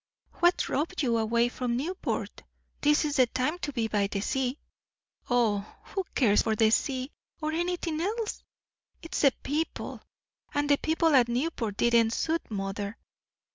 "What drove you away from Newport? This is the time to be by the sea." "O, who cares for the sea! or anything else? it's the people; and the people at Newport didn't suit mother.